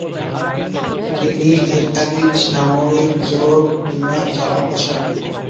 তিনি একাধিক সামরিক জেট বিমান চালাতে সক্ষম।